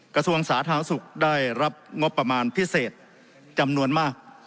กระทรวงสาธารณสุขได้รับงบประมาณพิเศษจำนวนมาก